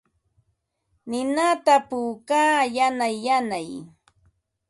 Ninata puukaa yanay yanay.